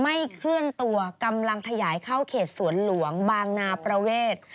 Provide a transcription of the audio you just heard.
ไม่เคลื่อนตัวกำลังขยายเข้าเขตสวนหลวงบางนาประเวท